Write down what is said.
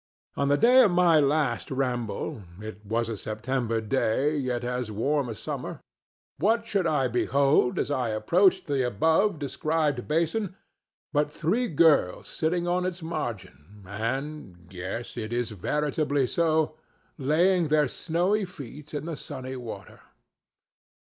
On the day of my last ramble—it was a September day, yet as warm as summer—what should I behold as I approached the above described basin but three girls sitting on its margin and—yes, it is veritably so—laving their snowy feet in the sunny water?